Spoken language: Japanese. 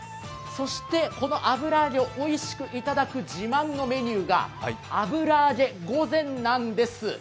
そして、この油揚げをおいしくいただく自慢のメニューが油あげ御膳なんです。